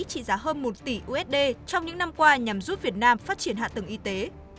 trị giá hơn một tỷ usd trong những năm qua nhằm giúp việt nam phát triển hạ tầng y tế